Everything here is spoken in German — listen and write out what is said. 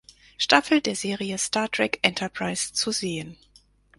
Staffel der Serie "Star Trek: Enterprise" zu sehen.